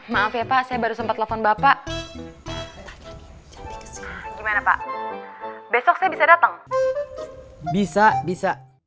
maaf ya pak saya baru sempat telepon bapak gimana pak besok saya bisa datang bisa bisa